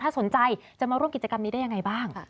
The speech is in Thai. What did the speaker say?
ถ้าสนใจจะมาร่วมกิจกรรมนี้ได้ยังไงบ้าง